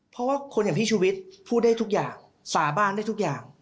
เพราะว่าคนอย่างพี่ชุวิตพูดได้ทุกอย่างสาบานได้ทุกอย่าง